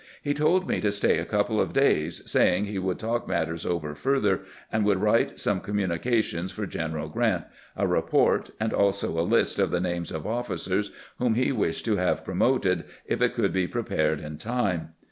He asked me to stay a couple of days, saying he would talk matters over further, and would wiite some com munications for General Grant, a report, and also a list of the names of officers whom he wished to have pro moted, if it could be prepared in time.